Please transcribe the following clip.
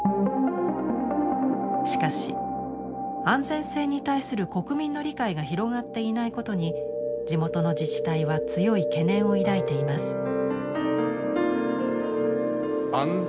しかし安全性に対する国民の理解が広がっていないことに地元の自治体は強い懸念を抱いています。